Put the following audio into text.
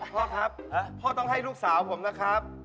พ่อครับพ่อต้องให้ลูกสาวผมนะครับ